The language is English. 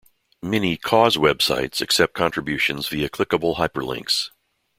Many 'cause websites' accept contributions via clickable hyperlinks.